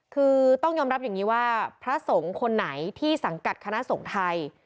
คือต้องยอมรับอย่างนี้ว่าพระสงฆ์คนไหนที่สังกัดคณะสงฆ์ไทย